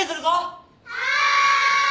はい。